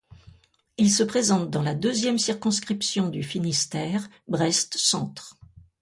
Il se présente dans la deuxième circonscription du Finistère, Brest Centre.